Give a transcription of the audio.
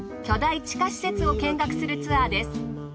巨大地下施設を見学するツアーです。